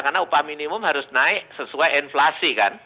karena upah minimum harus naik sesuai inflasi kan